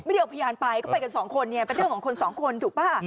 ได้เอาพยานไปก็ไปกันสองคนเนี่ยเป็นเรื่องของคนสองคนถูกป่ะ